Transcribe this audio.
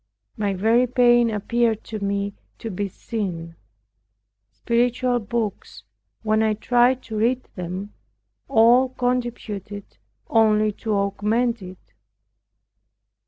My very pain appeared to me to be sin. Spiritual books, when I tried to read them, all contributed only to augment it.